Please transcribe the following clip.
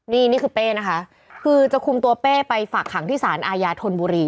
นี่นี่คือเป้นะคะคือจะคุมตัวเป้ไปฝากขังที่สารอาญาธนบุรี